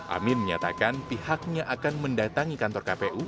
amin menyatakan pihaknya akan mendatangi kantor kpu